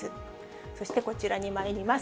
そしてこちらにまいります。